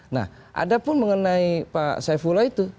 nah ada pun mengenai pak saifullah itu